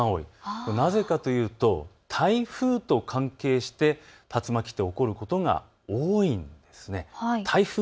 なぜかというと台風と関係して竜巻は起こることが多いんです。